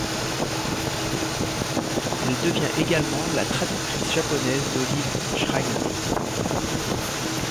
Elle devient également la traductrice japonaise d'Olive Schreiner.